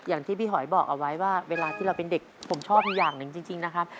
อย่างที่พี่หอยบอกเอาไว้ว่าเวลาที่เราเป็นเด็กผมชอบอย่างหนึ่งจริงนะครับ